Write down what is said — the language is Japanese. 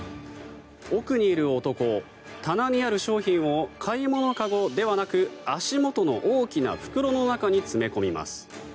奥にいる男、棚にある商品を買い物籠ではなく足元の大きな袋の中に詰め込みます。